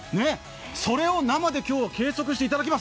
それを生で計測していただきます。